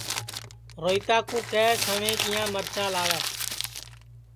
روہیتا کُُو کیہ سویں کِیا مرچاں لائیں